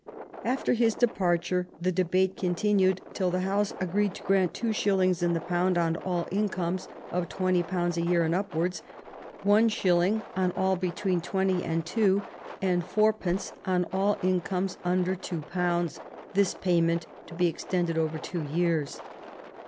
After his departure the debate continued till the House agreed to grant two shillings in the pound on all incomes of £20 a year and upwards ; one shilling on all between £20 and £2 ; and fourpence on all incomes under £2 ; this payment to be extended over two years.